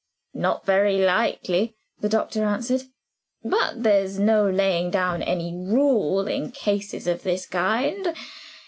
"Not very likely," the doctor answered. "But there's no laying down any rule in cases of this kind.